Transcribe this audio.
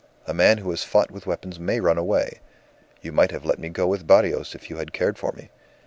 A man who has fought with weapons may run away. You might have let me go with Barrios if you had cared for me.